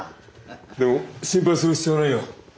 でも心配する必要はないよ。